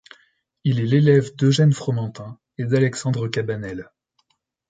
Il est l'élève d'Eugène Fromentin et d'Alexandre Cabanel.